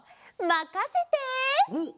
まかせて！